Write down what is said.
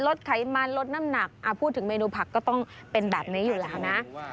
ไขมันลดน้ำหนักพูดถึงเมนูผักก็ต้องเป็นแบบนี้อยู่แล้วนะ